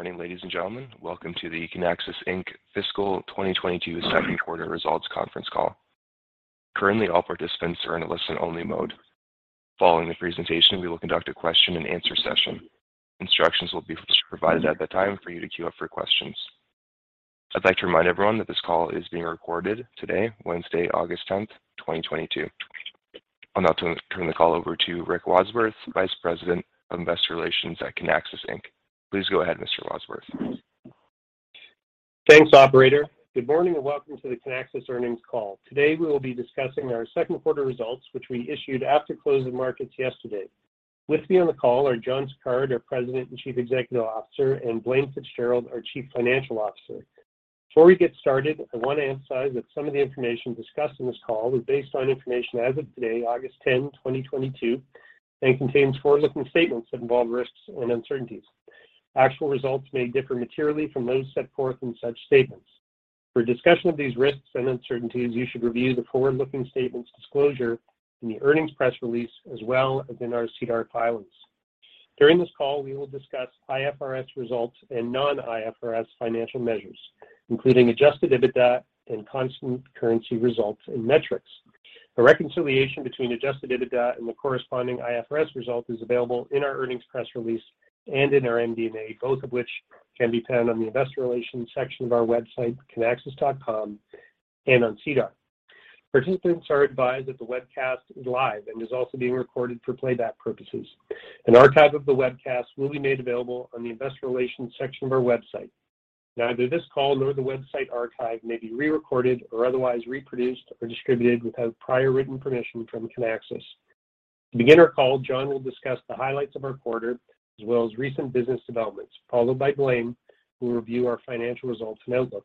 Good morning, ladies and gentlemen. Welcome to the Kinaxis Inc. Fiscal 2022 Q2 results conference call. Currently, all participants are in a listen only mode. Following the presentation, we will conduct a question and answer session. Instructions will be provided at that time for you to queue up for questions. I'd like to remind everyone that this call is being recorded today, Wednesday, August 10th, 2022. I'll now turn the call over to Rick Wadsworth, Vice President of Investor Relations at Kinaxis Inc. Please go ahead, Mr. Wadsworth. Thanks, operator. Good morning and welcome to the Kinaxis earnings call. Today we will be discussing our Q2 results, which we issued after closing markets yesterday. With me on the call are John Sicard, our President and Chief Executive Officer, and Blaine Fitzgerald, our Chief Financial Officer. Before we get started, I want to emphasize that some of the information discussed in this call is based on information as of today, August 10, 2022, and contains forward-looking statements that involve risks and uncertainties. Actual results may differ materially from those set forth in such statements. For a discussion of these risks and uncertainties, you should review the forward-looking statements disclosure in the earnings press release, as well as in our SEDAR filings. During this call, we will discuss IFRS results and non-IFRS financial measures, including adjusted EBITDA and constant currency results and metrics. A reconciliation between adjusted EBITDA and the corresponding IFRS result is available in our earnings press release and in our MD&A, both of which can be found on the investor relations section of our website, kinaxis.com, and on SEDAR. Participants are advised that the webcast is live and is also being recorded for playback purposes. An archive of the webcast will be made available on the investor relations section of our website. Neither this call nor the website archive may be re-recorded or otherwise reproduced or distributed without prior written permission from Kinaxis. To begin our call, John will discuss the highlights of our quarter, as well as recent business developments, followed by Blaine, who will review our financial results and outlook.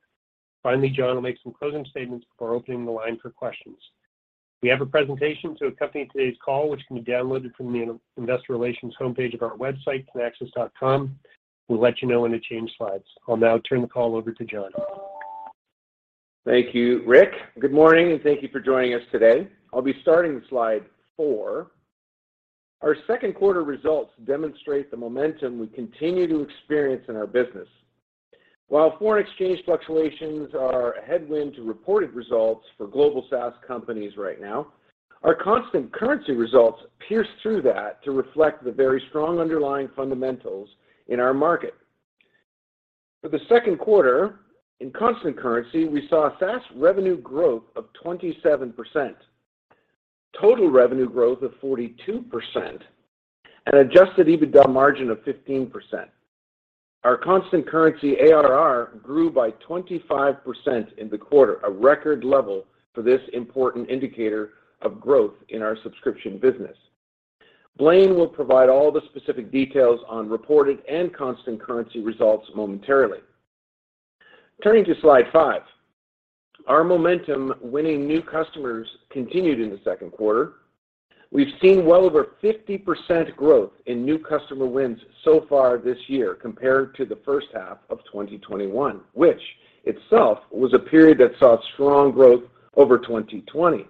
Finally, John will make some closing statements before opening the line for questions. We have a presentation to accompany today's call, which can be downloaded from the Investor Relations homepage of our website, kinaxis.com. We'll let you know when to change slides. I'll now turn the call over to John. Thank you, Rick. Good morning, and thank you for joining us today. I'll be starting with slide four. Our Q2 results demonstrate the momentum we continue to experience in our business. While foreign exchange fluctuations are a headwind to reported results for global SaaS companies right now, our constant currency results pierce through that to reflect the very strong underlying fundamentals in our market. For the Q2, in constant currency, we saw a SaaS revenue growth of 27%, total revenue growth of 42%, and adjusted EBITDA margin of 15%. Our constant currency ARR grew by 25% in the quarter, a record level for this important indicator of growth in our subscription business. Blaine will provide all the specific details on reported and constant currency results momentarily. Turning to slide five. Our momentum winning new customers continued in the Q2. We've seen well over 50% growth in new customer wins so far this year compared to the first half of 2021, which itself was a period that saw strong growth over 2020.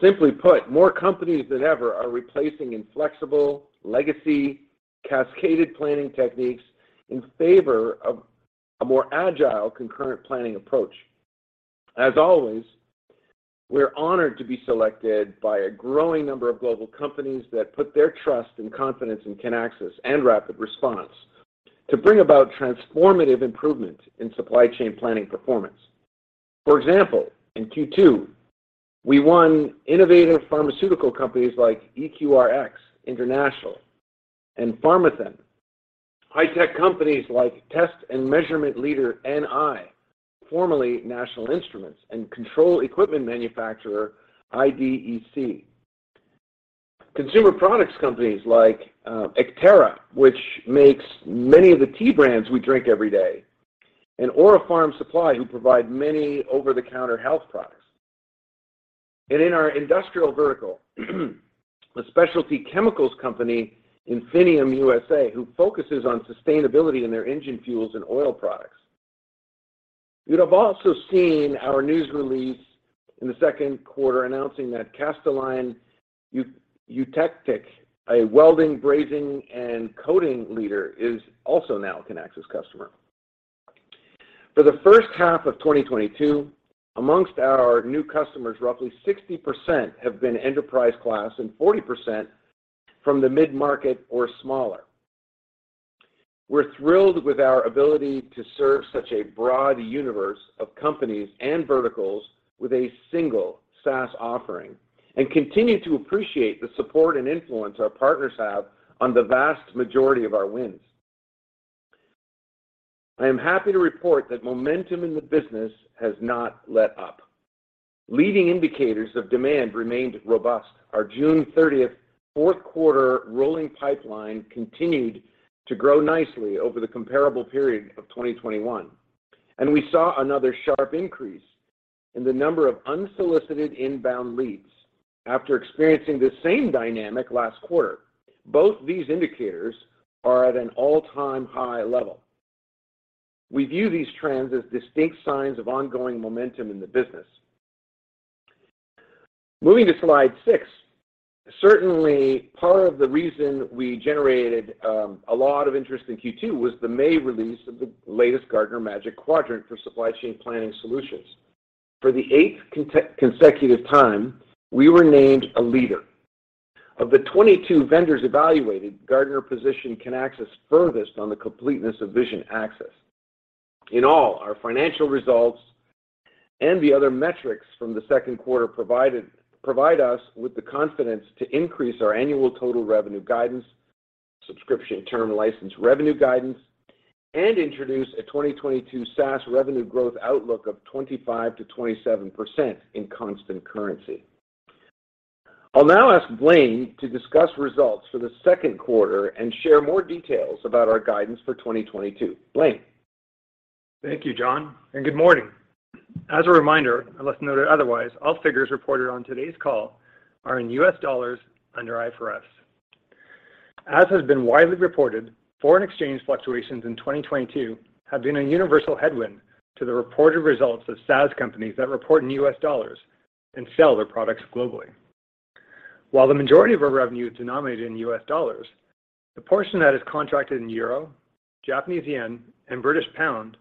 Simply put, more companies than ever are replacing inflexible, legacy, cascaded planning techniques in favor of a more agile concurrent planning approach. As always, we're honored to be selected by a growing number of global companies that put their trust and confidence in Kinaxis and RapidResponse to bring about transformative improvement in supply chain planning performance. For example, in Q2, we won innovative pharmaceutical companies like EQRx and Pharmathen, high-tech companies like test and measurement leader NI, formerly National Instruments, and control equipment manufacturer IDEC, consumer products companies like ekaterra, which makes many of the tea brands we drink every day, and OraFarm Supply, who provide many over-the-counter health products. In our industrial vertical, a specialty chemicals company, Infineum USA, who focuses on sustainability in their engine fuels and oil products. You'd have also seen our news release in the Q2 announcing that Castolin Eutectic, a welding, brazing, and coating leader, is also now a Kinaxis customer. For the first half of 2022, amongst our new customers, roughly 60% have been enterprise class and 40% from the mid-market or smaller. We're thrilled with our ability to serve such a broad universe of companies and verticals with a single SaaS offering and continue to appreciate the support and influence our partners have on the vast majority of our wins. I am happy to report that momentum in the business has not let up. Leading indicators of demand remained robust. Our June 30th Q4 rolling pipeline continued to grow nicely over the comparable period of 2021, and we saw another sharp increase in the number of unsolicited inbound leads after experiencing the same dynamic last quarter. Both these indicators are at an all-time high level. We view these trends as distinct signs of ongoing momentum in the business. Moving to slide 6. Certainly, part of the reason we generated a lot of interest in Q2 was the May release of the latest Gartner Magic Quadrant for supply chain planning solutions. For the eighth consecutive time, we were named a leader. Of the 22 vendors evaluated, Gartner positioned Kinaxis furthest on the completeness of vision axis. In all, our financial results and the other metrics from the Q2 provide us with the confidence to increase our annual total revenue guidance, subscription term license revenue guidance, and introduce a 2022 SaaS revenue growth outlook of 25%-27% in constant currency. I'll now ask Blaine to discuss results for the Q2 and share more details about our guidance for 2022. Blaine. Thank you, John, and good morning. As a reminder, unless noted otherwise, all figures reported on today's call are in US dollars under IFRS. As has been widely reported, foreign exchange fluctuations in 2022 have been a universal headwind to the reported results of SaaS companies that report in US dollars and sell their products globally. While the majority of our revenue is denominated in US dollars, the portion that is contracted in euro, Japanese yen, and British pound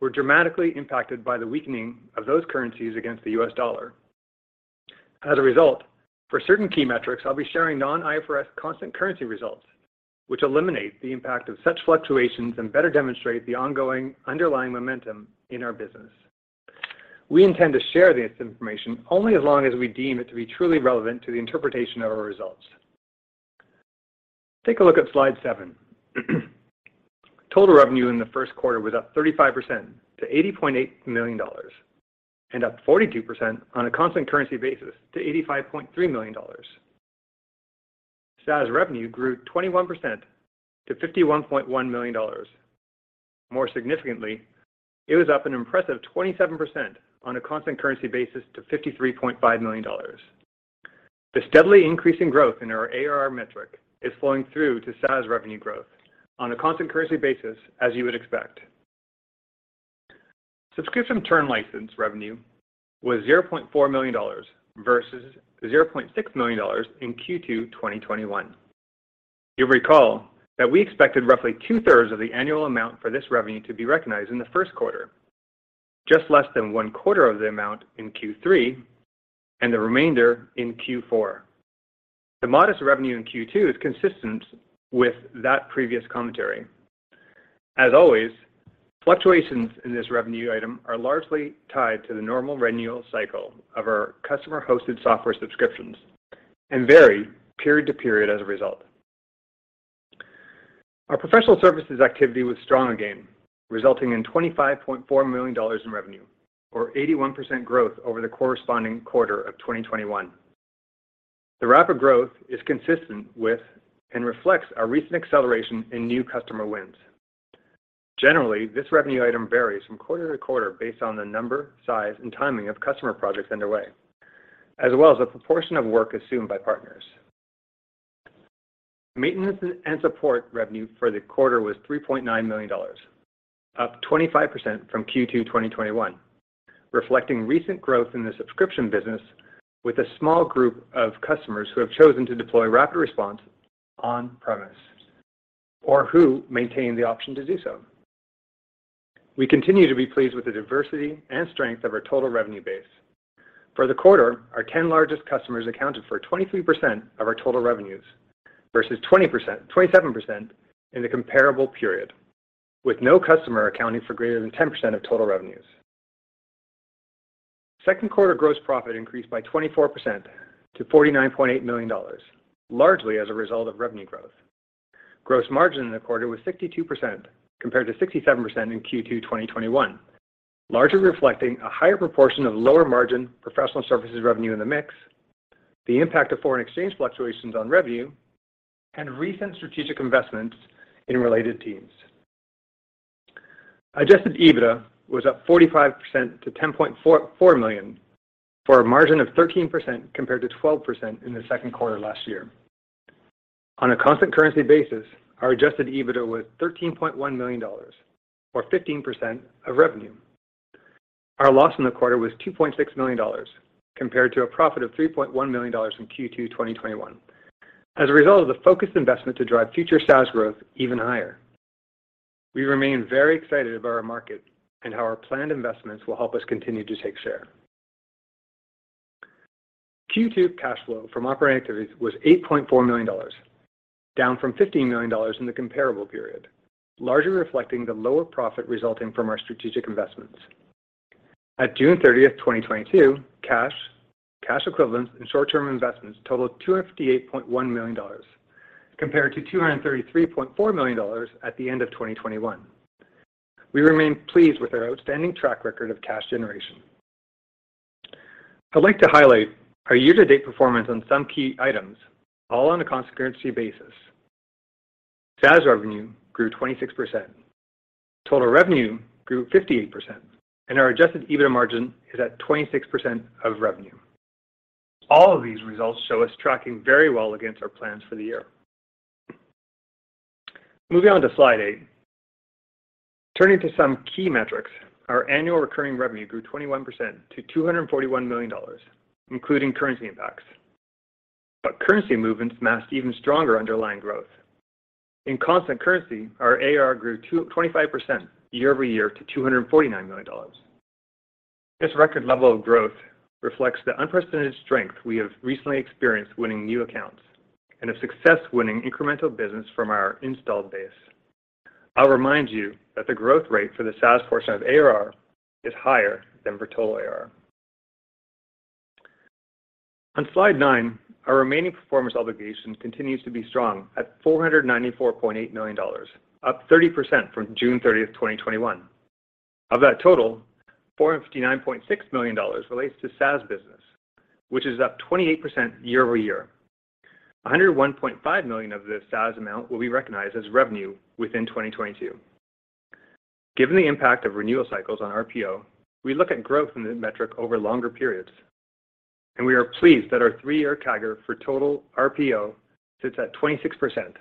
were dramatically impacted by the weakening of those currencies against the US dollar. As a result, for certain key metrics, I'll be sharing non-IFRS constant currency results, which eliminate the impact of such fluctuations and better demonstrate the ongoing underlying momentum in our business. We intend to share this information only as long as we deem it to be truly relevant to the interpretation of our results. Take a look at slide 7. Total revenue in the Q1 was up 35% to $80.8 million, and up 42% on a constant currency basis to $85.3 million. SaaS revenue grew 21% to $51.1 million. More significantly, it was up an impressive 27% on a constant currency basis to $53.5 million. The steadily increasing growth in our ARR metric is flowing through to SaaS revenue growth on a constant currency basis as you would expect. Subscription term license revenue was $0.4 million versus $0.6 million in Q2 2021. You'll recall that we expected roughly two-thirds of the annual amount for this revenue to be recognized in the Q1, just less than one-quarter of the amount in Q3, and the remainder in Q4. The modest revenue in Q2 is consistent with that previous commentary. As always, fluctuations in this revenue item are largely tied to the normal renewal cycle of our customer-hosted software subscriptions and vary period to period as a result. Our professional services activity was strong again, resulting in $25.4 million in revenue or 81% growth over the corresponding quarter of 2021. The rapid growth is consistent with and reflects our recent acceleration in new customer wins. Generally, this revenue item varies from quarter to quarter based on the number, size, and timing of customer projects underway, as well as the proportion of work assumed by partners. Maintenance and support revenue for the quarter was $3.9 million, up 25% from Q2 2021, reflecting recent growth in the subscription business with a small group of customers who have chosen to deploy RapidResponse on-premise or who maintain the option to do so. We continue to be pleased with the diversity and strength of our total revenue base. For the quarter, our 10 largest customers accounted for 23% of our total revenues versus 27% in the comparable period, with no customer accounting for greater than 10% of total revenues. Q2 gross profit increased by 24% to $49.8 million, largely as a result of revenue growth. Gross margin in the quarter was 62% compared to 67% in Q2 2021, largely reflecting a higher proportion of lower margin professional services revenue in the mix, the impact of foreign exchange fluctuations on revenue, and recent strategic investments in related teams. Adjusted EBITDA was up 45% to $10.4 million, for a margin of 13% compared to 12% in the Q2 last year. On a constant currency basis, our adjusted EBITDA was $13.1 million or 15% of revenue. Our loss in the quarter was $2.6 million compared to a profit of $3.1 million in Q2 2021. As a result of the focused investment to drive future SaaS growth even higher, we remain very excited about our market and how our planned investments will help us continue to take share. Q2 cash flow from operating activities was $8.4 million, down from $15 million in the comparable period, largely reflecting the lower profit resulting from our strategic investments. At June 30, 2022, cash equivalents, and short-term investments totaled $258.1 million compared to $233.4 million at the end of 2021. We remain pleased with our outstanding track record of cash generation. I'd like to highlight our year-to-date performance on some key items, all on a constant currency basis. SaaS revenue grew 26%, total revenue grew 58%, and our adjusted EBITDA margin is at 26% of revenue. All of these results show us tracking very well against our plans for the year. Moving on to slide 8. Turning to some key metrics, our annual recurring revenue grew 21% to $241 million, including currency impacts. Currency movements masked even stronger underlying growth. In constant currency, our ARR grew 25% year-over-year to $249 million. This record level of growth reflects the unprecedented strength we have recently experienced winning new accounts and of success winning incremental business from our installed base. I'll remind you that the growth rate for the SaaS portion of ARR is higher than for total ARR. On slide nine, our remaining performance obligation continues to be strong at $494.8 million, up 30% from June 30th, 2021. Of that total, $459.6 million relates to SaaS business, which is up 28% year-over-year. $101.5 million of the SaaS amount will be recognized as revenue within 2022. Given the impact of renewal cycles on RPO, we look at growth in the metric over longer periods, and we are pleased that our 3-year CAGR for total RPO sits at 26%.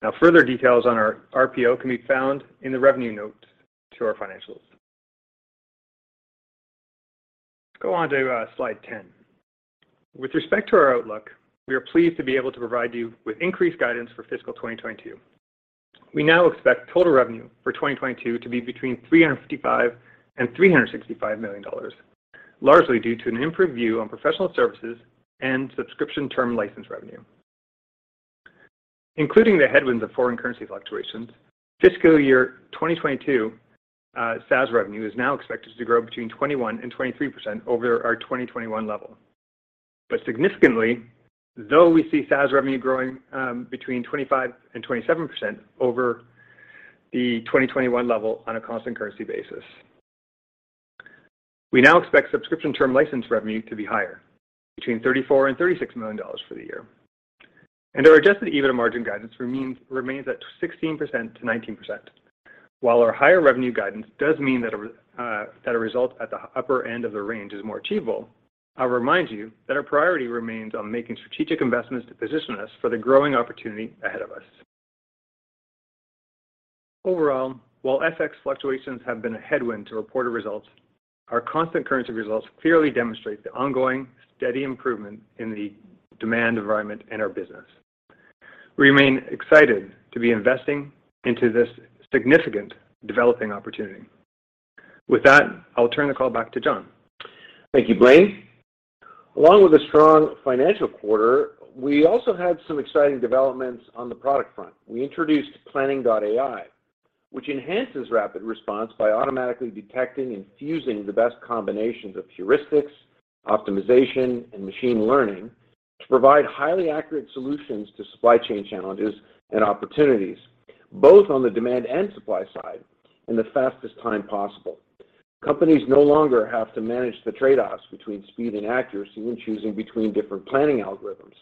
Now further details on our RPO can be found in the revenue note to our financials. Go on to slide 10. With respect to our outlook, we are pleased to be able to provide you with increased guidance for fiscal 2022. We now expect total revenue for 2022 to be between $355 million and $365 million, largely due to an improved view on professional services and subscription term license revenue. Including the headwinds of foreign currency fluctuations, fiscal year 2022, SaaS revenue is now expected to grow between 21% and 23% over our 2021 level. Significantly, though we see SaaS revenue growing between 25% and 27% over the 2021 level on a constant currency basis, we now expect subscription term license revenue to be higher, between $34 million and $36 million for the year. Our adjusted EBITDA margin guidance remains at 16%-19%. While our higher revenue guidance does mean that a result at the upper end of the range is more achievable, I'll remind you that our priority remains on making strategic investments to position us for the growing opportunity ahead of us. Overall, while FX fluctuations have been a headwind to reported results, our constant currency results clearly demonstrate the ongoing steady improvement in the demand environment in our business. We remain excited to be investing into this significant developing opportunity. With that, I'll turn the call back to John. Thank you, Blaine. Along with a strong financial quarter, we also had some exciting developments on the product front. We introduced Planning.AI, which enhances RapidResponse by automatically detecting and fusing the best combinations of heuristics, optimization, and machine learning to provide highly accurate solutions to supply chain challenges and opportunities, both on the demand and supply side, in the fastest time possible. Companies no longer have to manage the trade-offs between speed and accuracy when choosing between different planning algorithms.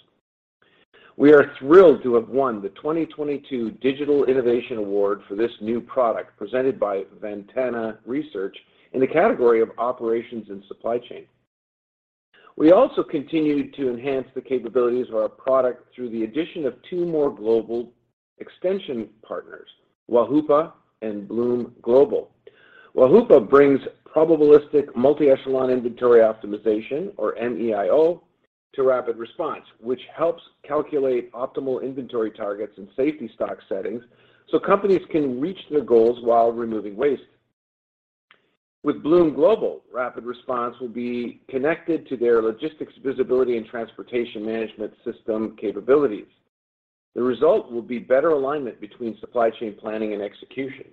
We are thrilled to have won the 2022 Digital Innovation Award for this new product presented by Ventana Research in the category of operations and supply chain. We also continued to enhance the capabilities of our product through the addition of two more global extension partners, Wahupa and Blume Global. Wahupa brings probabilistic multi-echelon inventory optimization, or MEIO, to RapidResponse, which helps calculate optimal inventory targets and safety stock settings so companies can reach their goals while removing waste. With Blume Global, RapidResponse will be connected to their logistics visibility and transportation management system capabilities. The result will be better alignment between supply chain planning and execution,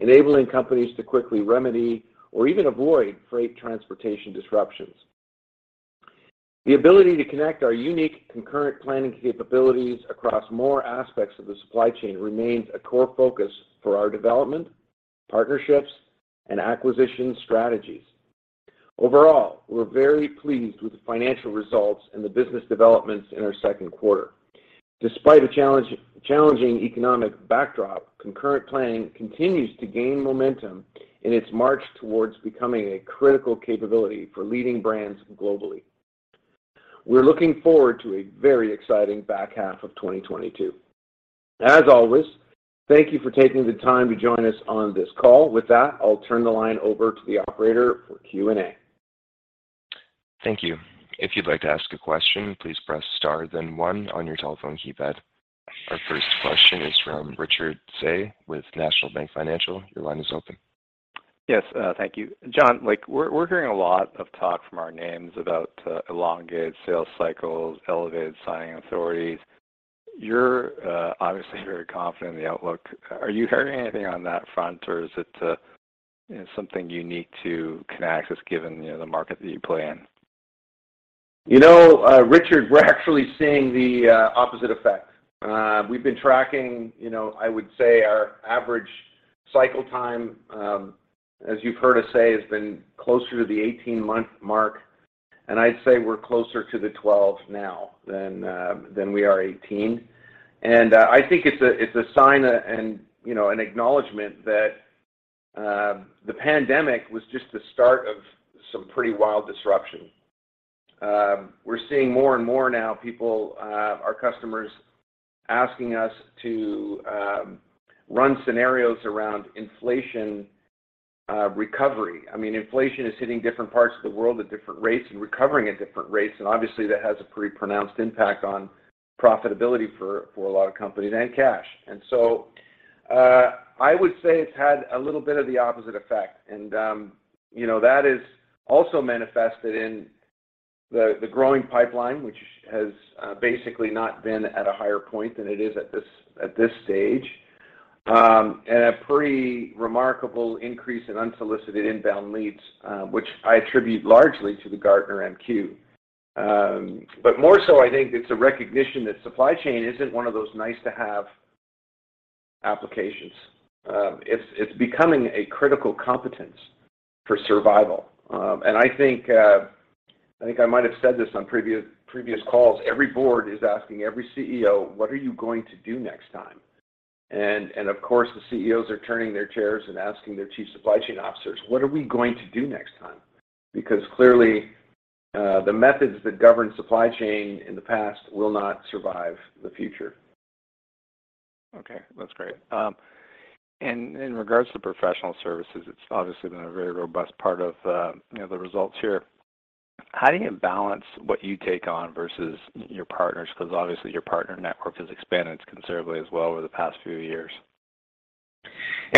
enabling companies to quickly remedy or even avoid freight transportation disruptions. The ability to connect our unique concurrent planning capabilities across more aspects of the supply chain remains a core focus for our development, partnerships, and acquisition strategies. Overall, we're very pleased with the financial results and the business developments in our Q2. Despite a challenging economic backdrop, concurrent planning continues to gain momentum in its march towards becoming a critical capability for leading brands globally. We're looking forward to a very exciting back half of 2022. As always, thank you for taking the time to join us on this call. With that, I'll turn the line over to the operator for Q&A. Thank you. If you'd like to ask a question, please press star then one on your telephone keypad. Our first question is from Richard Tse with National Bank Financial. Your line is open. Yes, thank you. John, like, we're hearing a lot of talk from our names about elongated sales cycles, elevated signing authorities. You're obviously very confident in the outlook. Are you hearing anything on that front, or is it, you know, something unique to Kinaxis given, you know, the market that you play in? You know, Richard, we're actually seeing the opposite effect. We've been tracking, you know, I would say our average cycle time, as you've heard us say, has been closer to the 18-month mark. I'd say we're closer to the 12 now than we are 18. I think it's a sign and, you know, an acknowledgment that the pandemic was just the start of some pretty wild disruption. We're seeing more and more now, our customers asking us to run scenarios around inflation, recovery. I mean, inflation is hitting different parts of the world at different rates and recovering at different rates, and obviously that has a pretty pronounced impact on profitability for a lot of companies and cash. I would say it's had a little bit of the opposite effect. You know, that is also manifested in the growing pipeline, which has basically not been at a higher point than it is at this stage. A pretty remarkable increase in unsolicited inbound leads, which I attribute largely to the Gartner MQ. More so I think it's a recognition that supply chain isn't one of those nice-to-have applications. It's becoming a critical competence for survival. I think I might have said this on previous calls, every board is asking every CEO, "What are you going to do next time?" Of course, the CEOs are turning their chairs and asking their chief supply chain officers, "What are we going to do next time?" Because clearly, the methods that govern supply chain in the past will not survive the future. Okay, that's great. In regards to professional services, it's obviously been a very robust part of, you know, the results here. How do you balance what you take on versus your partners? 'Cause obviously your partner network has expanded considerably as well over the past few years.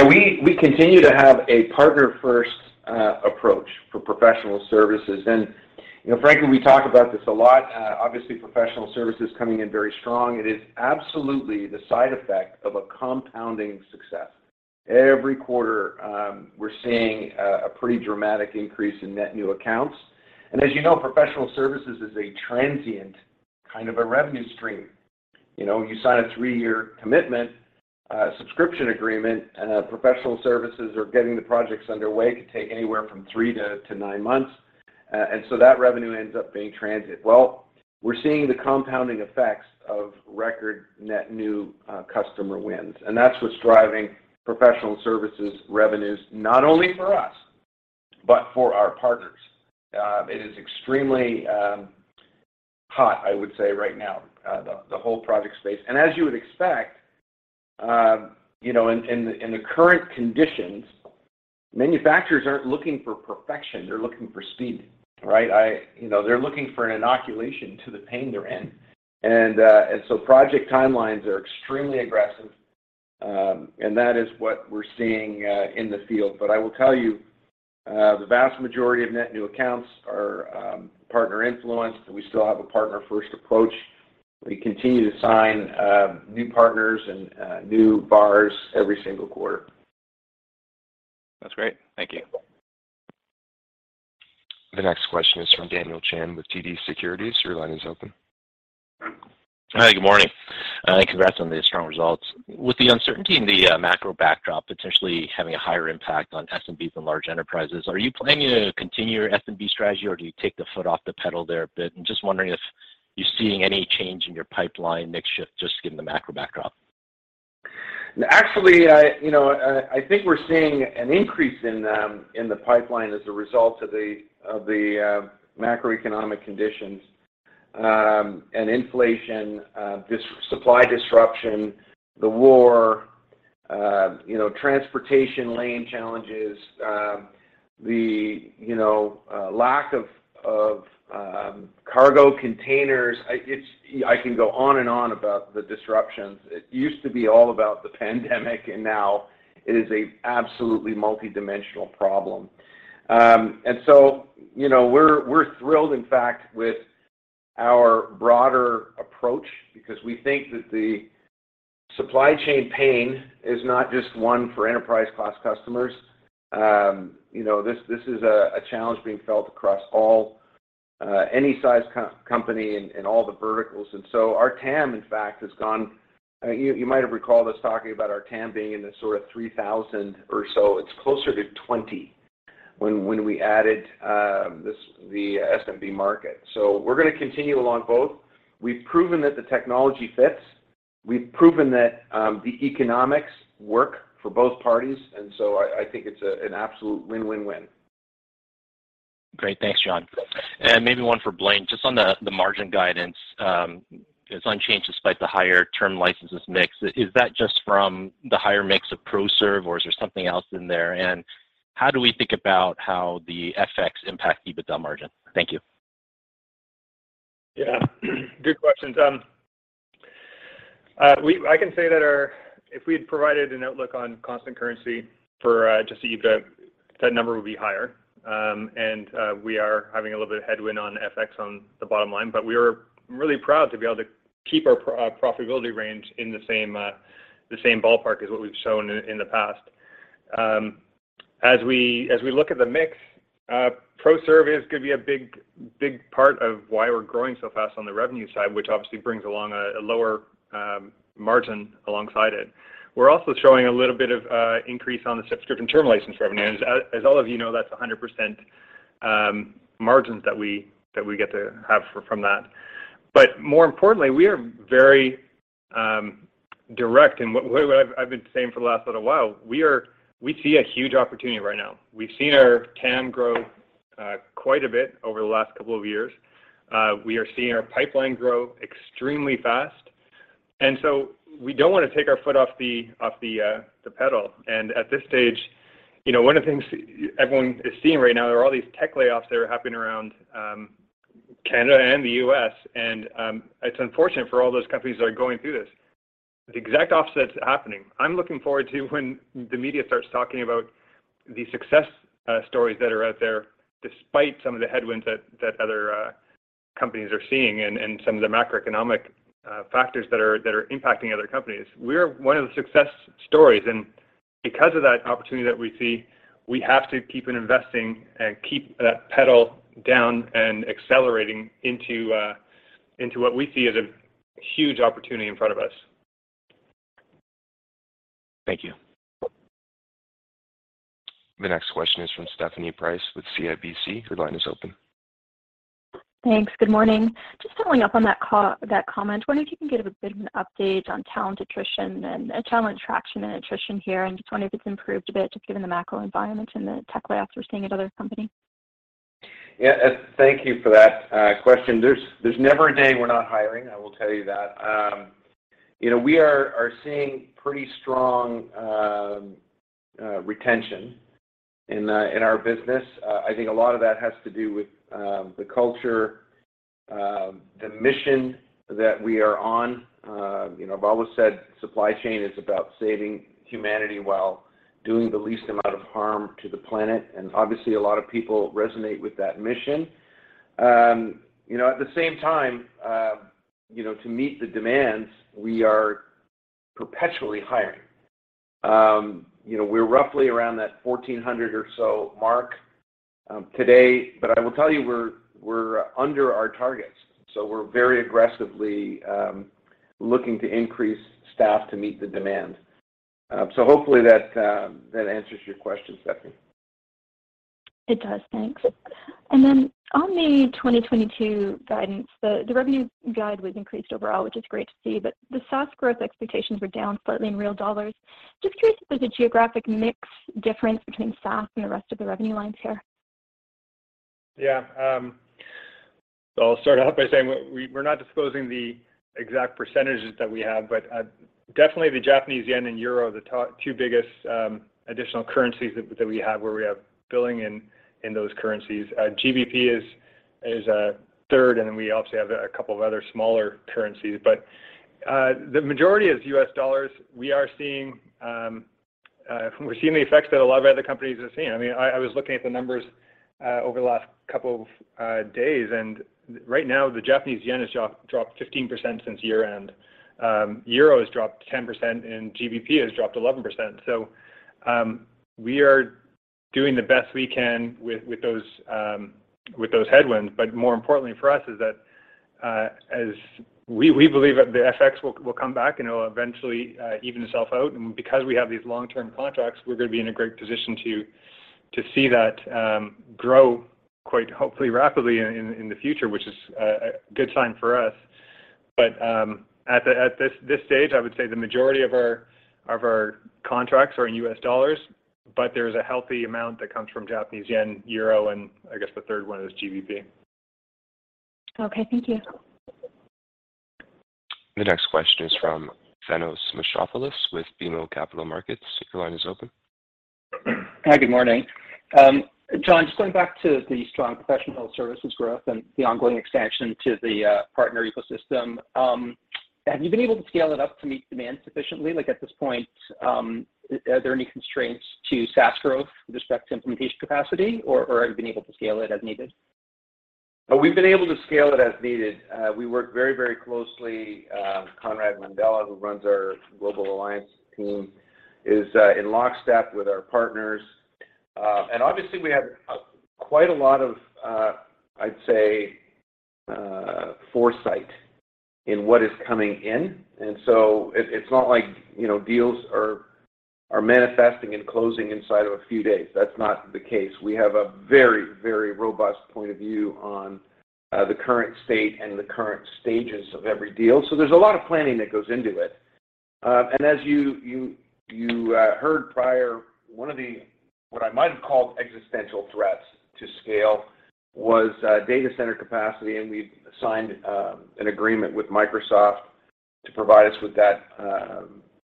We continue to have a partner-first approach for professional services. You know, frankly, we talk about this a lot. Obviously professional services coming in very strong, it is absolutely the side effect of a compounding success. Every quarter, we're seeing a pretty dramatic increase in net new accounts. As you know, professional services is a transient kind of a revenue stream. You know, you sign a 3-year commitment subscription agreement, and professional services are getting the projects underway. It could take anywhere from 3 to 9 months, and so that revenue ends up being transient. Well, we're seeing the compounding effects of record net new customer wins, and that's what's driving professional services revenues, not only for us, but for our partners. It is extremely hot, I would say, right now, the whole project space. As you would expect, you know, in the current conditions, manufacturers aren't looking for perfection, they're looking for speed, right? You know, they're looking for an inoculation to the pain they're in. Project timelines are extremely aggressive, and that is what we're seeing in the field. But I will tell you, the vast majority of net new accounts are partner-influenced, and we still have a partner-first approach. We continue to sign new partners and new VARs every single quarter. That's great. Thank you. The next question is from Daniel Chan with TD Securities. Your line is open. Hi, good morning. Congrats on the strong results. With the uncertainty in the macro backdrop potentially having a higher impact on SMBs and large enterprises, are you planning to continue your SMB strategy, or do you take the foot off the pedal there a bit? Just wondering if you're seeing any change in your pipeline mix shift just given the macro backdrop? Actually, you know, I think we're seeing an increase in the pipeline as a result of the macroeconomic conditions, inflation, supply disruption, the war, you know, transportation lane challenges, the lack of cargo containers. I can go on and on about the disruptions. It used to be all about the pandemic, and now it is absolutely a multidimensional problem. You know, we're thrilled, in fact, with our broader approach because we think that the supply chain pain is not just one for enterprise class customers. You know, this is a challenge being felt across all, any size company in all the verticals. Our TAM, in fact, has gone. You might have recalled us talking about our TAM being in the sort of 3,000 or so. It'. Closer to 20 when we added the SMB market. We're gonna continue along both. We've proven that the technology fits. We've proven that the economics work for both parties. I think it's an absolute win-win-win. Great. Thanks, John. Maybe one for Blaine. Just on the margin guidance, it's unchanged despite the higher term licenses mix. Is that just from the higher mix of ProServ, or is there something else in there? How do we think about how the FX impact EBITDA margin? Thank you. Yeah. Good questions. I can say that if we had provided an outlook on constant currency for just the EBITDA, that number would be higher. We are having a little bit of headwind on FX on the bottom line, but we are really proud to be able to keep our profitability range in the same ballpark as what we've shown in the past. As we look at the mix, ProServ is gonna be a big part of why we're growing so fast on the revenue side, which obviously brings along a lower margin alongside it. We're also showing a little bit of increase on the subscription term license revenues. As all of you know, that's 100% margins that we get to have from that. More importantly, we are very direct in what I've been saying for the last little while. We see a huge opportunity right now. We've seen our TAM grow quite a bit over the last couple of years. We are seeing our pipeline grow extremely fast, and so we don't wanna take our foot off the pedal. At this stage, you know, one of the things everyone is seeing right now, there are all these tech layoffs that are happening around Canada and the U.S., and it's unfortunate for all those companies that are going through this. The exact opposite's happening. I'm looking forward to when the media starts talking about the success stories that are out there, despite some of the headwinds that other companies are seeing and some of the macroeconomic factors that are impacting other companies. We're one of the success stories, and because of that opportunity that we see, we have to keep on investing and keep that pedal down and accelerating into what we see as a huge opportunity in front of us. Thank you. The next question is from Stephanie Price with CIBC. Your line is open. Thanks. Good morning. Just following up on that comment, wondering if you can give a bit of an update on talent attrition and talent attraction and attrition here, and just wonder if it's improved a bit just given the macro environment and the tech layoffs we're seeing at other company? Yeah, thank you for that question. There's never a day we're not hiring, I will tell you that. You know, we are seeing pretty strong retention in our business. I think a lot of that has to do with the culture, the mission that we are on. You know, I've always said supply chain is about saving humanity while doing the least amount of harm to the planet, and obviously, a lot of people resonate with that mission. You know, at the same time, you know, to meet the demands, we are perpetually hiring. You know, we're roughly around that 1,400 or so mark today, but I will tell you, we're under our targets, so we're very aggressively looking to increase staff to meet the demands. Hopefully that answers your question, Stephanie. It does. Thanks. On the 2022 guidance, the revenue guide was increased overall, which is great to see, but the SaaS growth expectations were down slightly in real dollars. Just curious if there's a geographic mix difference between SaaS and the rest of the revenue lines here. Yeah. So I'll start off by saying we're not disclosing the exact percentages that we have, but definitely the Japanese yen and euro are the top two biggest additional currencies that we have, where we have billing in those currencies. GBP is third, and then we obviously have a couple of other smaller currencies. The majority is U.S. dollars. We're seeing the effects that a lot of other companies are seeing. I mean, I was looking at the numbers over the last couple of days, and right now, the Japanese yen has dropped 15% since year-end. Euro has dropped 10%, and GBP has dropped 11%. We are doing the best we can with those headwinds. More importantly for us is that we believe the FX will come back, and it'll eventually even itself out. Because we have these long-term contracts, we're gonna be in a great position to see that grow quite hopefully rapidly in the future, which is a good sign for us. At this stage, I would say the majority of our contracts are in U.S. dollars, but there's a healthy amount that comes from Japanese yen, euro, and I guess the third one is GBP. Okay, thank you. The next question is from Thanos Moschopoulos with BMO Capital Markets. Your line is open. Hi, good morning. John, just going back to the strong professional services growth and the ongoing expansion to the partner ecosystem, have you been able to scale it up to meet demand sufficiently? Like, at this point, are there any constraints to SaaS growth with respect to implementation capacity, or have you been able to scale it as needed? We've been able to scale it as needed. We work very, very closely. Conrad Mandala, who runs our global alliance team, is in lockstep with our partners. Obviously we have quite a lot of, I'd say, foresight in what is coming in. It's not like, you know, deals are manifesting and closing inside of a few days. That's not the case. We have a very, very robust point of view on the current state and the current stages of every deal. There's a lot of planning that goes into it. As you heard prior, one of the what I might have called existential threats to scale was data center capacity, and we've signed an agreement with Microsoft to provide us with that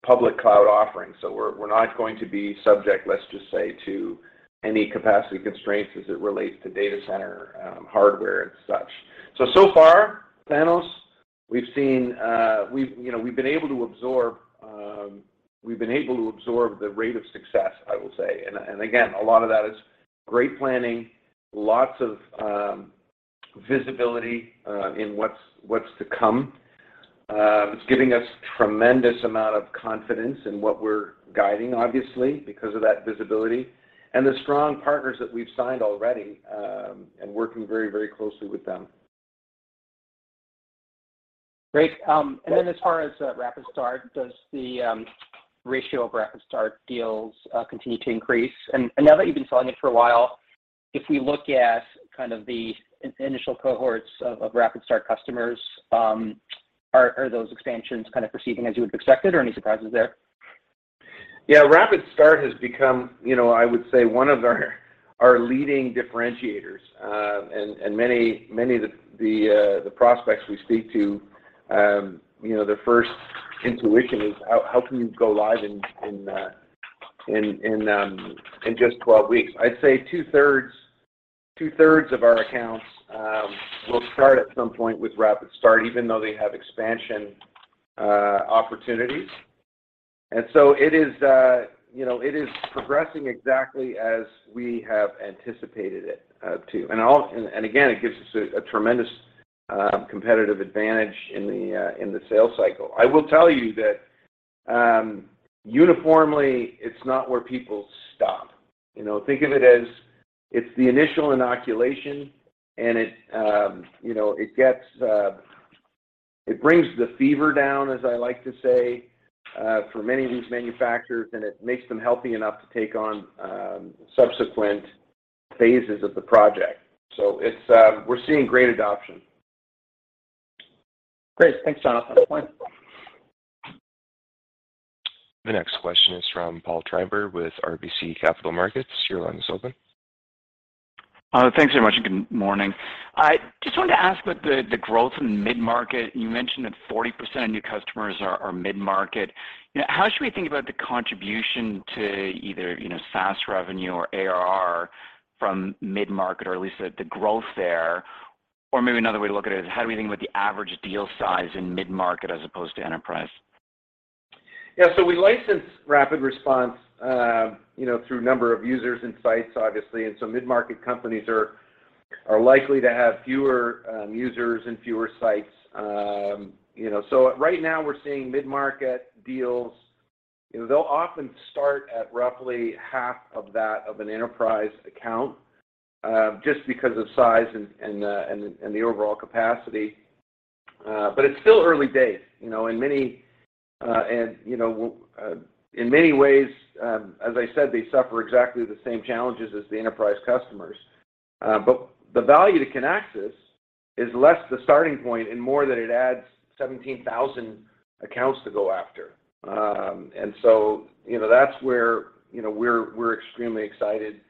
public cloud offering. We're not going to be subject, let's just say, to any capacity constraints as it relates to data center hardware and such. So far, Thanos, we've seen, you know, we've been able to absorb the rate of success, I will say. Again, a lot of that is great planning, lots of visibility in what's to come. It's giving us tremendous amount of confidence in what we're guiding, obviously, because of that visibility and the strong partners that we've signed already, and working very, very closely with them. Great. As far as RapidStart, does the ratio of RapidStart deals continue to increase? Now that you've been selling it for a while. If we look at kind of the initial cohorts of RapidStart customers, are those expansions kind of proceeding as you would have expected or any surprises there? Yeah, RapidStart has become, you know, I would say one of our leading differentiators. Many of the prospects we speak to, you know, their first intuition is how can you go live in just 12 weeks? I'd say two-thirds of our accounts will start at some point with RapidStart even though they have expansion opportunities. It is progressing exactly as we have anticipated it to. Again, it gives us a tremendous competitive advantage in the sales cycle. I will tell you that, uniformly it's not where people stop. You know, think of it as it's the initial inoculation, and it, you know, it gets. It brings the fever down, as I like to say, for many of these manufacturers, and it makes them healthy enough to take on subsequent phases of the project. It's, we're seeing great adoption. Great. Thanks, Jonathan. The next question is from Paul Treiber with RBC Capital Markets. Your line is open. Thanks very much, and good morning. I just wanted to ask about the growth in mid-market. You mentioned that 40% of new customers are mid-market. You know, how should we think about the contribution to either, you know, SaaS revenue or ARR from mid-market, or at least, the growth there? Maybe another way to look at it is how do we think about the average deal size in mid-market as opposed to enterprise? Yeah. We license RapidResponse, you know, through number of users and sites obviously, and mid-market companies are likely to have fewer users and fewer sites. You know, right now we're seeing mid-market deals, you know, they'll often start at roughly half of that of an enterprise account, just because of size and the overall capacity. But it's still early days, you know. Many, you know, in many ways, as I said, they suffer exactly the same challenges as the enterprise customers. But the value to Kinaxis is less the starting point and more that it adds 17,000 accounts to go after. You know, that's where, you know, we're extremely excited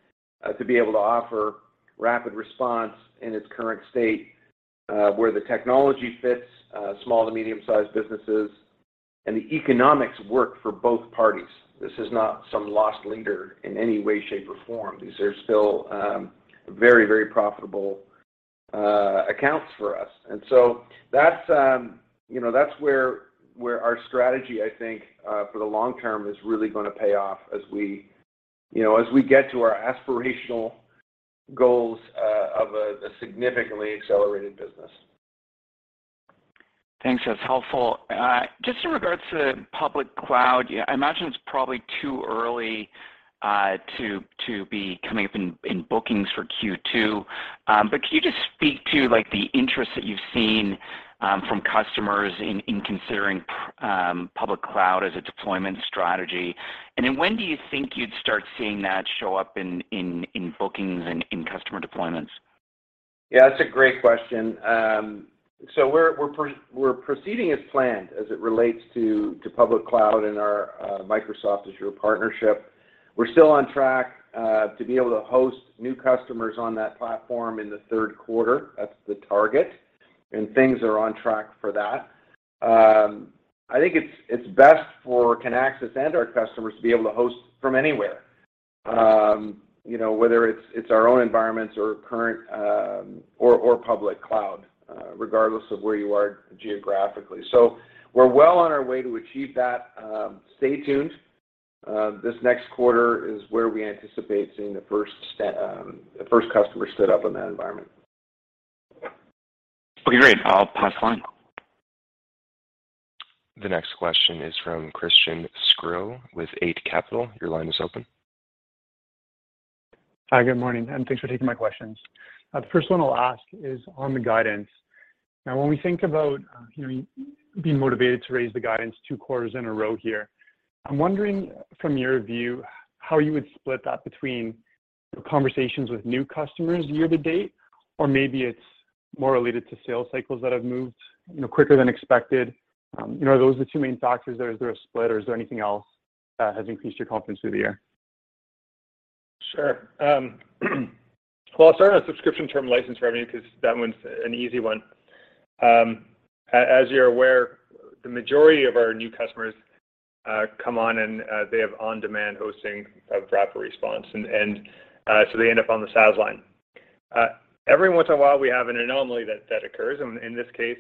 to be able to offer RapidResponse in its current state, where the technology fits small- to medium-sized businesses and the economics work for both parties. This is not some loss leader in any way, shape, or form. These are still very, very profitable accounts for us. That's where our strategy, I think, for the long term is really gonna pay off as we, you know, as we get to our aspirational goals of a significantly accelerated business. Thanks. That's helpful. Just in regards to public cloud, yeah, I imagine it's probably too early to be coming up in bookings for Q2. Could you just speak to, like, the interest that you've seen from customers in considering public cloud as a deployment strategy? When do you think you'd start seeing that show up in bookings and in customer deployments? Yeah, that's a great question. We're proceeding as planned as it relates to public cloud and our Microsoft Azure partnership. We're still on track to be able to host new customers on that platform in the Q3. That's the target, and things are on track for that. I think it's best for Kinaxis and our customers to be able to host from anywhere, you know, whether it's our own environments or current or public cloud, regardless of where you are geographically. We're well on our way to achieve that. Stay tuned. This next quarter is where we anticipate seeing the first customer stood up in that environment. Okay, great. I'll pass the line. The next question is from Christian Sgro with Eight Capital. Your line is open. Hi. Good morning, and thanks for taking my questions. The first one I'll ask is on the guidance. Now, when we think about, you know, being motivated to raise the guidance two quarters in a row here, I'm wondering from your view how you would split that between conversations with new customers year to date, or maybe it's more related to sales cycles that have moved, you know, quicker than expected. You know, are those the two main factors, or is there a split, or is there anything else, has increased your confidence through the year? Sure. Well, I'll start on a subscription term license revenue because that one's an easy one. As you're aware, the majority of our new customers come on and they have on-demand hosting of RapidResponse, and so they end up on the SaaS line. Every once in a while we have an anomaly that occurs, and in this case,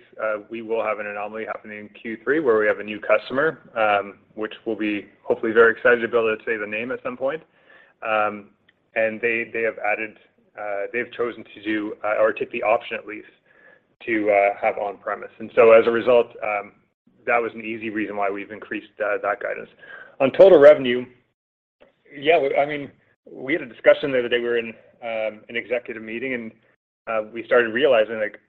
we will have an anomaly happening in Q3, where we have a new customer, which we'll be hopefully very excited to be able to say the name at some point. They have added, they've chosen to do or took the option at least to have on-premise. As a result, that was an easy reason why we've increased that guidance. On total revenue, yeah, I mean, we had a discussion the other day. We were in an executive meeting, and we started realizing, like.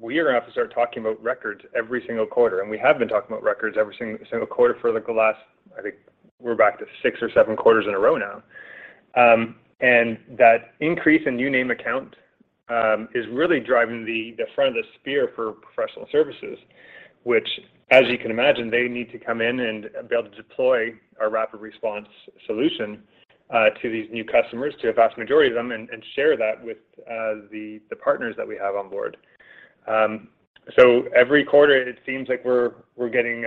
We are gonna have to start talking about records every single quarter, and we have been talking about records every single quarter for like the last, I think we're back to six or seven quarters in a row now. That increase in new name account is really driving the tip of the spear for professional services, which as you can imagine, they need to come in and be able to deploy our RapidResponse solution to these new customers, to a vast majority of them, and share that with the partners that we have on board. Every quarter it seems like we're getting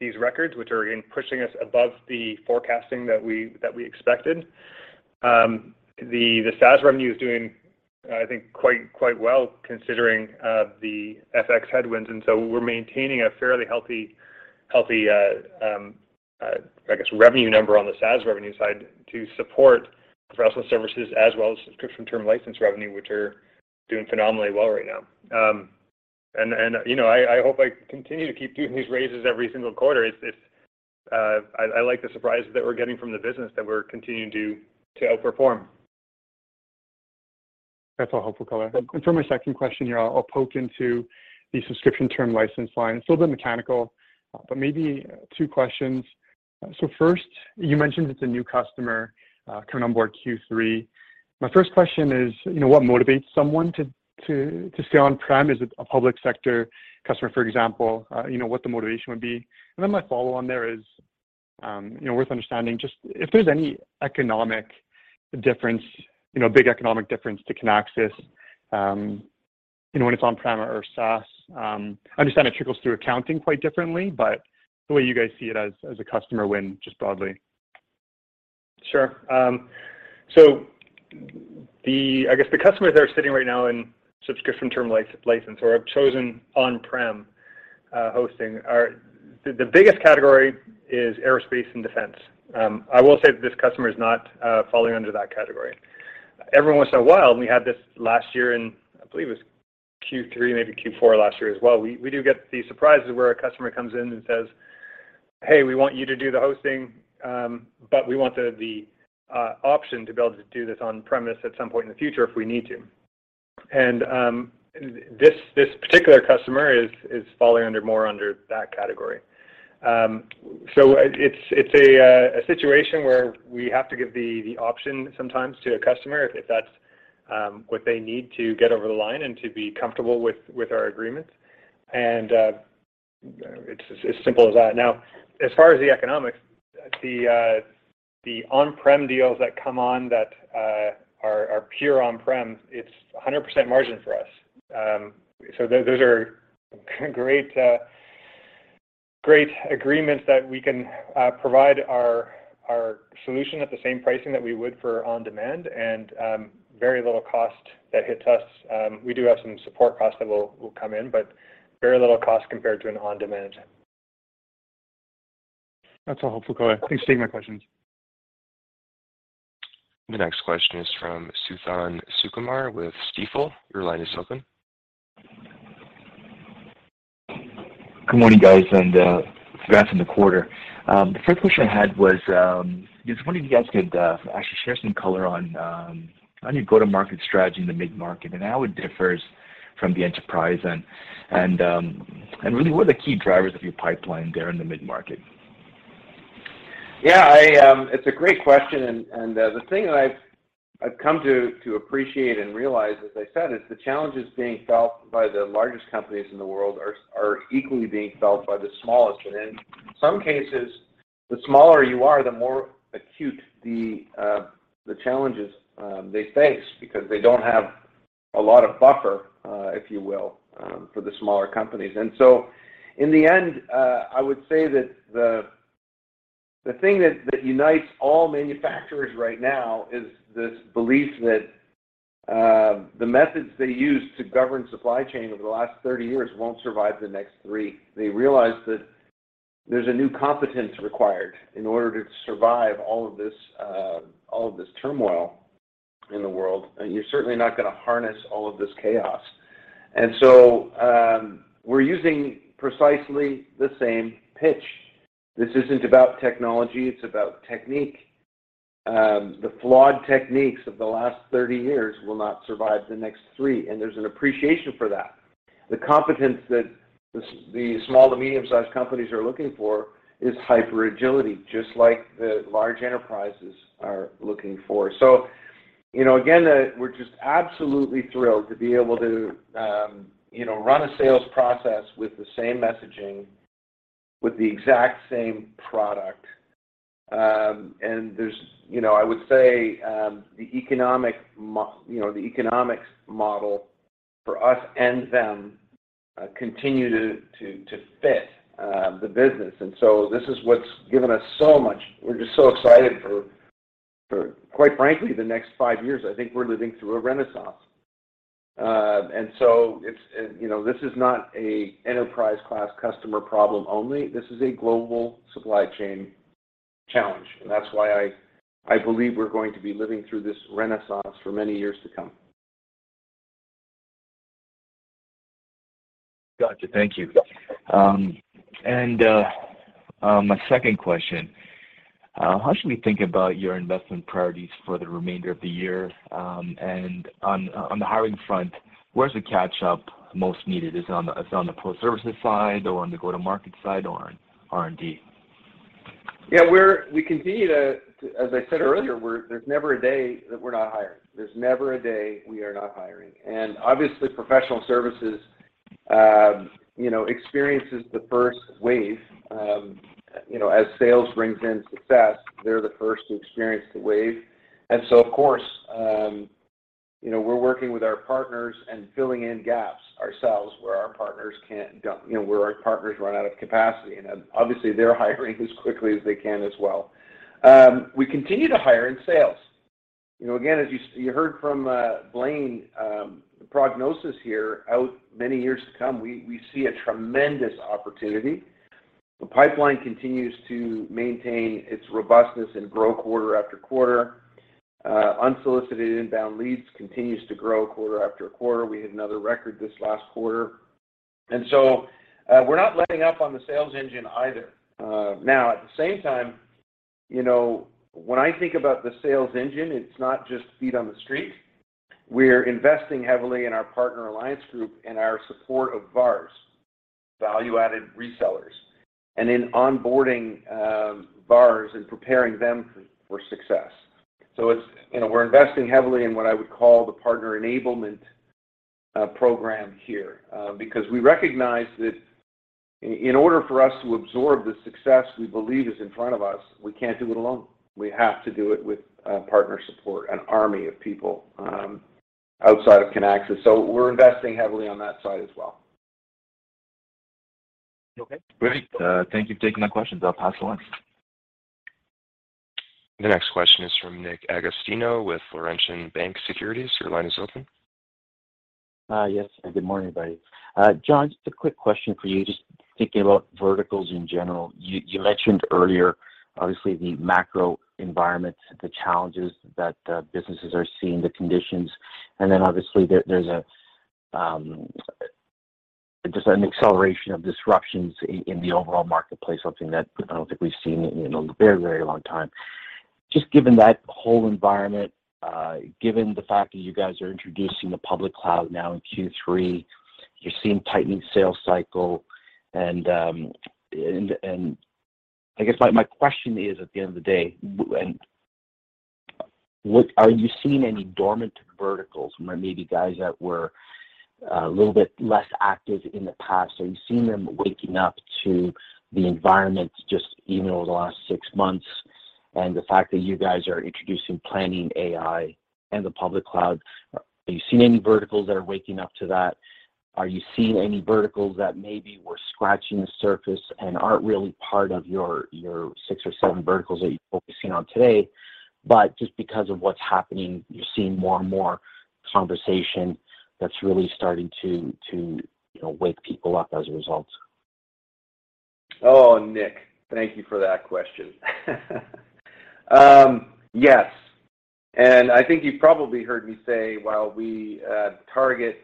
these records which are pushing us above the forecasting that we expected. The SaaS revenue is doing, I think, quite well considering the FX headwinds, and so we're maintaining a fairly healthy revenue number on the SaaS revenue side to support professional services as well as subscription term license revenue, which are doing phenomenally well right now. You know, I hope I continue to keep doing these raises every single quarter. It's. I like the surprises that we're getting from the business that we're continuing to outperform. That's all helpful color. For my second question here, I'll poke into the subscription term license line. It's a little bit mechanical, but maybe two questions. First, you mentioned it's a new customer coming on board Q3. My first question is, you know, what motivates someone to stay on-prem? Is it a public sector customer, for example? You know, what the motivation would be. Then my follow on there is, you know, worth understanding just if there's any economic difference, you know, big economic difference to Kinaxis, you know, when it's on-prem or SaaS. I understand it trickles through accounting quite differently, but the way you guys see it as a customer win, just broadly. Sure. So the customers that are sitting right now in subscription term license or have chosen on-prem hosting are. The biggest category is aerospace and defense. I will say that this customer is not falling under that category. Every once in a while we had this last year in I believe it was Q3, maybe Q4 last year as well. We do get the surprises where a customer comes in and says, "Hey, we want you to do the hosting, but we want the option to be able to do this on-premise at some point in the future if we need to." This particular customer is falling more under that category. It's a situation where we have to give the option sometimes to a customer if that's what they need to get over the line and to be comfortable with our agreements, and it's as simple as that. Now, as far as the economics, the on-prem deals that come on that are pure on-prem, it's 100% margin for us. Those are great agreements that we can provide our solution at the same pricing that we would for on-demand and very little cost that hits us. We do have some support costs that will come in, but very little cost compared to an on-demand. That's all helpful color. Thanks for taking my questions. The next question is from Suthan Sukumar with Stifel. Your line is open. Good morning, guys, and congrats on the quarter. The first question I had was just wondering if you guys could actually share some color on your go-to-market strategy in the mid-market, and how it differs from the enterprise and really what are the key drivers of your pipeline there in the mid-market? It's a great question and the thing that I've come to appreciate and realize, as I said, is the challenges being felt by the largest companies in the world are equally being felt by the smallest. In some cases, the smaller you are, the more acute the challenges they face because they don't have a lot of buffer, if you will, for the smaller companies. In the end, I would say that the thing that unites all manufacturers right now is this belief that the methods they used to govern supply chain over the last 30 years won't survive the next 3. They realize that there's a new competence required in order to survive all of this turmoil in the world. You're certainly not gonna harness all of this chaos. We're using precisely the same pitch. This isn't about technology, it's about technique. The flawed techniques of the last 30 years will not survive the next 3, and there's an appreciation for that. The competence that the small to medium-sized companies are looking for is hyper agility, just like the large enterprises are looking for. You know, again, we're just absolutely thrilled to be able to, you know, run a sales process with the same messaging, with the exact same product. There's, you know, I would say, the economics model for us and them continue to fit the business. This is what's given us so much. We're just so excited for, quite frankly, the next 5 years. I think we're living through a renaissance. It's, you know, this is not a enterprise class customer problem only. This is a global supply chain challenge. That's why I believe we're going to be living through this renaissance for many years to come. Gotcha. Thank you. My second question. How should we think about your investment priorities for the remainder of the year? On the hiring front, where's the catch-up most needed? Is it on the pro services side, or on the go-to-market side, or on R&D? Yeah. We continue to as I said earlier, there's never a day that we're not hiring. Obviously, professional services experiences the first wave as sales brings in success, they're the first to experience the wave. Of course, we're working with our partners and filling in gaps ourselves where our partners run out of capacity. Obviously, they're hiring as quickly as they can as well. We continue to hire in sales. Again, as you heard from Blaine, the prognosis here out many years to come, we see a tremendous opportunity. The pipeline continues to maintain its robustness and grow quarter after quarter. Unsolicited inbound leads continues to grow quarter after quarter. We had another record this last quarter. We're not letting up on the sales engine either. Now at the same time, you know, when I think about the sales engine, it's not just feet on the street. We're investing heavily in our partner alliance group and our support of VARs, value-added resellers, and in onboarding, VARs and preparing them for success. You know, we're investing heavily in what I would call the partner enablement program here, because we recognize that in order for us to absorb the success we believe is in front of us, we can't do it alone. We have to do it with partner support, an army of people outside of Kinaxis. We're investing heavily on that side as well. You okay? Great. Thank you for taking my questions. I'll pass along. The next question is from Nick Agostino with Laurentian Bank Securities. Your line is open. Yes. Good morning, everybody. John, just a quick question for you, just thinking about verticals in general. You mentioned earlier, obviously, the macro environment, the challenges that businesses are seeing, the conditions, and then obviously there's just an acceleration of disruptions in the overall marketplace, something that I don't think we've seen in, you know, a very, very long time. Just given that whole environment, given the fact that you guys are introducing the public cloud now in Q3, you're seeing tightening sales cycle, and I guess my question is at the end of the day, and what are you seeing any dormant verticals from where maybe guys that were a little bit less active in the past? Are you seeing them waking up to the environment just even over the last six months, and the fact that you guys are introducing Planning.ai and the public cloud? Are you seeing any verticals that are waking up to that? Are you seeing any verticals that maybe were scratching the surface and aren't really part of your six or seven verticals that you're focusing on today, but just because of what's happening, you're seeing more and more conversation that's really starting to, you know, wake people up as a result? Oh, Nick, thank you for that question. Yes. I think you've probably heard me say while we target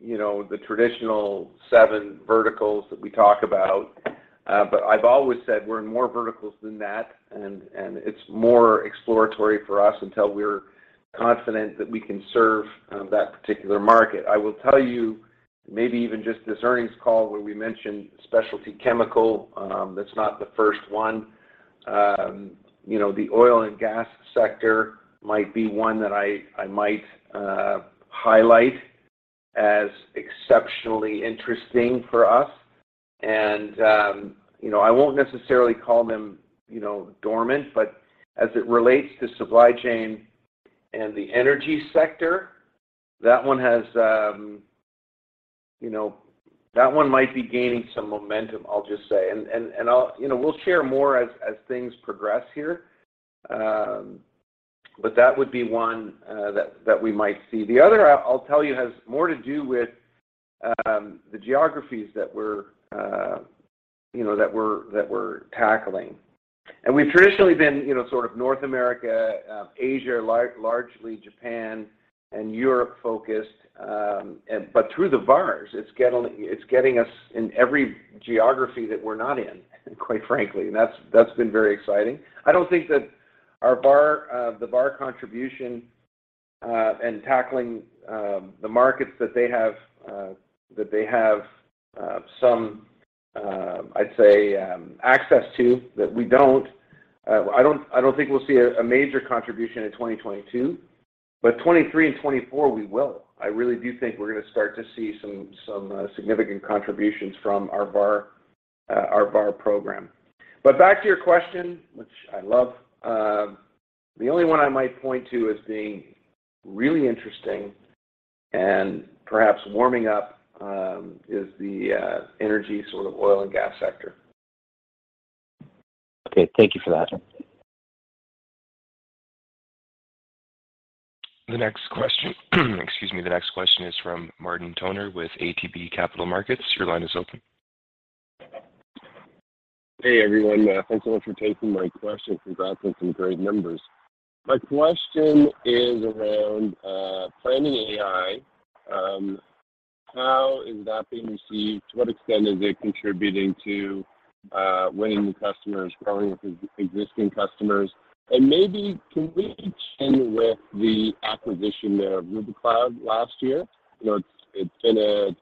you know the traditional seven verticals that we talk about but I've always said we're in more verticals than that, and it's more exploratory for us until we're confident that we can serve that particular market. I will tell you, maybe even just this earnings call where we mentioned specialty chemical that's not the first one. You know, the oil and gas sector might be one that I might highlight as exceptionally interesting for us. You know, I won't necessarily call them you know dormant, but as it relates to supply chain and the energy sector, that one has you know that one might be gaining some momentum, I'll just say. I'll You know, we'll share more as things progress here. That would be one that we might see. The other, I'll tell you, has more to do with the geographies that we're tackling. We've traditionally been, you know, sort of North America, Asia, largely Japan, and Europe-focused. Through the VARs, it's getting us in every geography that we're not in, quite frankly, and that's been very exciting. I don't think that our VAR, the VAR contribution, and tackling the markets that they have some access to that we don't. I don't think we'll see a major contribution in 2022, but 2023 and 2024, we will. I really do think we're gonna start to see some significant contributions from our VAR program. Back to your question, which I love, is the energy sort of oil and gas sector. Okay. Thank you for that. The next question, excuse me, the next question is from Martin Toner with ATB Capital Markets. Your line is open. Hey, everyone. Thanks so much for taking my question. Congrats on some great numbers. My question is around Planning.ai. How is that being received? To what extent is it contributing to winning new customers, growing with existing customers? Maybe can we end with the acquisition there of Rubikloud last year? You know, it's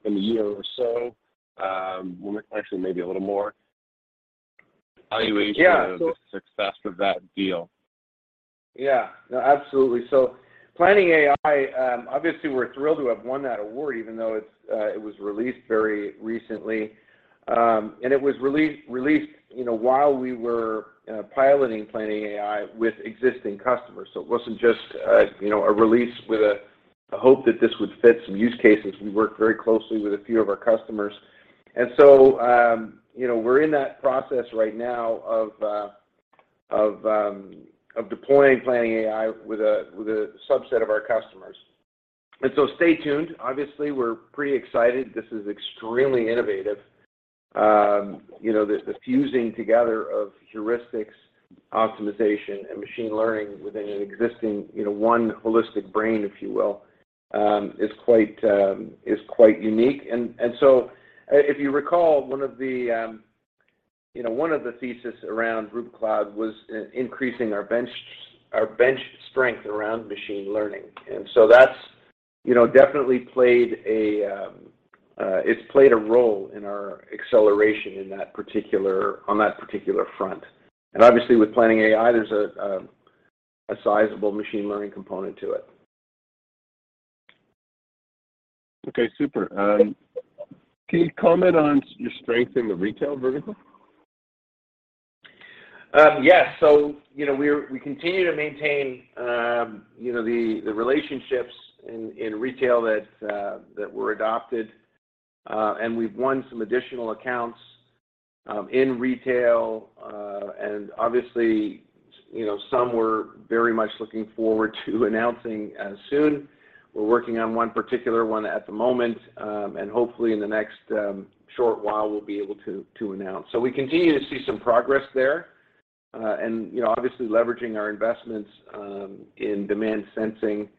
been a year or so, well actually maybe a little more. Yeah. of the success of that deal. Yeah. No, absolutely. Planning.ai, obviously we're thrilled to have won that award even though it was released very recently. It was released, you know, while we were piloting Planning.ai with existing customers. It wasn't just a, you know, a release with a hope that this would fit some use cases. We worked very closely with a few of our customers, and so, you know, we're in that process right now of deploying Planning.ai with a subset of our customers. Stay tuned. Obviously, we're pretty excited. This is extremely innovative. You know, the fusing together of heuristics optimization and machine learning within an existing, you know, one holistic brain, if you will, is quite unique. If you recall, one of the thesis around Rubikloud was increasing our bench strength around machine learning. That's you know definitely played a role in our acceleration on that particular front. Obviously with Planning.ai, there's a sizable machine learning component to it. Okay. Super. Can you comment on your strength in the retail vertical? Yes. You know, we continue to maintain, you know, the relationships in retail that were adopted. We've won some additional accounts in retail. Obviously, you know, some we're very much looking forward to announcing soon. We're working on one particular one at the moment. Hopefully in the next short while we'll be able to announce. We continue to see some progress there. You know, obviously leveraging our investments in demand sensing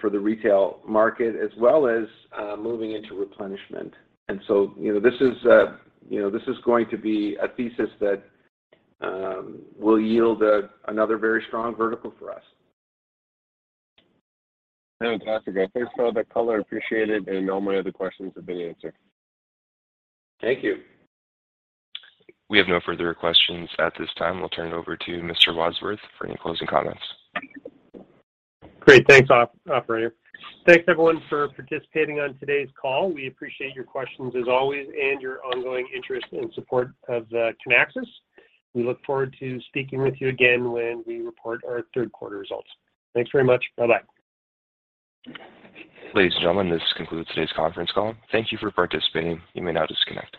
for the retail market as well as moving into replenishment. You know, this is, you know, this is going to be a thesis that will yield another very strong vertical for us. Fantastic. I appreciate the color, and all my other questions have been answered. Thank you. We have no further questions at this time. We'll turn it over to Mr. Wadsworth for any closing comments. Great. Thanks operator. Thanks everyone for participating on today's call. We appreciate your questions as always and your ongoing interest and support of Kinaxis. We look forward to speaking with you again when we report our Q3 results. Thanks very much. Bye-bye. Ladies and gentlemen, this concludes today's conference call. Thank you for participating. You may now disconnect.